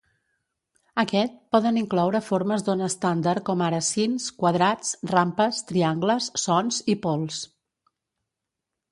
Aquest poden incloure formes d'ona estàndard com ara sins, quadrats, rampes, triangles, sons i pols.